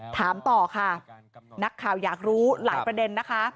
ถามต่อค่ะนักข่าวอยากรู้หลายประเด็นนะคะ